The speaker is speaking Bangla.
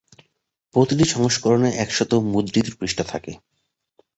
প্রতিটি সংস্করণে একশত মুদ্রিত পৃষ্ঠা থাকে।